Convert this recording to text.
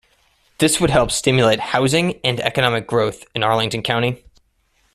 This would help stimulate housing and economic growth in Arlington County.